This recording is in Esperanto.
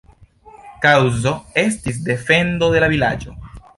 Kaŭzo estis defendo de la vilaĝo.